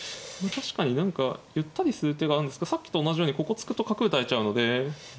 確かに何かゆったりする手があるんですけどさっきと同じようにここ突くと角打たれちゃうので。